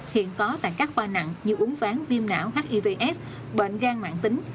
hiện có tại các khoa nặng như uống ván viêm não hivs bệnh gan mạng tính